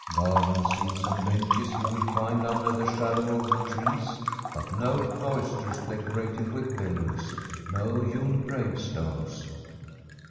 Garden seats and benches he will find under the shadow of the trees, but no cloisters decorated with pillars, no hewn gravestones.